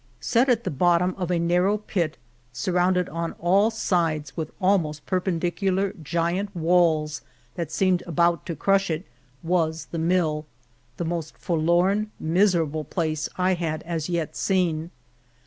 Set at the bottom of a narrow pit, sur rounded on all sides with almost perpendicu lar giant walls that seemed about to crush it, was the mill, the most forlorn, miserable place I had as yet seen.